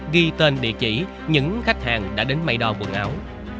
ghi tên địa chỉ những khách hàng đã đến máy đo quần áo